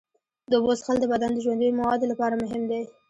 د اوبو څښل د بدن د ژوندیو موادو لپاره مهم دي.